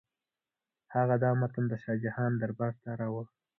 هغه دا متن د شاه جهان دربار ته راوړ.